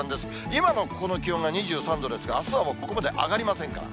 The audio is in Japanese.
今のこの気温が２３度ですが、あすはもう、ここまで上がりませんから。